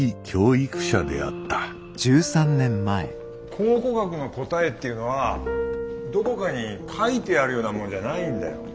考古学の答えっていうのはどこかに書いてあるようなものじゃないんだよ。